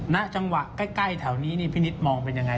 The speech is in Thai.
ณจังหวะใกล้แถวนี้นี่พี่นิดมองเป็นยังไง